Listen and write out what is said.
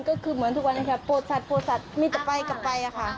ก็คือเหมือนทุกวันนั้นครับโฟสัตว์โฟสัตว์ไม่จะไปกลับไปค่ะ